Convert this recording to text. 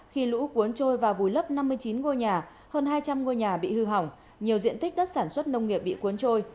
khi lũ cuốn trôi và vùi lấp năm mươi chín ngôi nhà hơn hai trăm linh ngôi nhà bị hư hỏng nhiều diện tích đất sản xuất nông nghiệp bị cuốn trôi